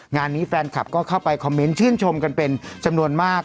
งานนี้แฟนคลับก็เข้าไปคอมเมนต์ชื่นชมกันเป็นจำนวนมาก